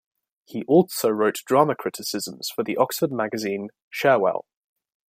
He also wrote drama criticisms for the Oxford magazine "Cherwell".